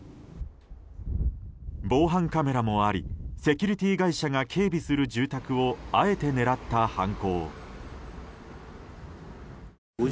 防犯カメラもありセキュリティー会社が警備する住宅をあえて狙った犯行。